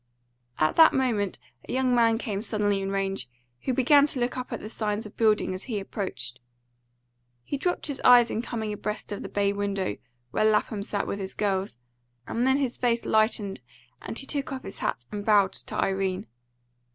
At that moment a young man came suddenly in range, who began to look up at the signs of building as he approached. He dropped his eyes in coming abreast of the bay window, where Lapham sat with his girls, and then his face lightened, and he took off his hat and bowed to Irene.